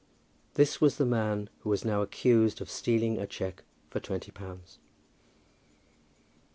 This was the man who was now accused of stealing a cheque for twenty pounds.